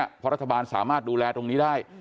เพราะรัฐบาลสามารถดูแลตรงนี้ได้